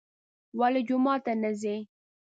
ولې جومات ته نه ځي.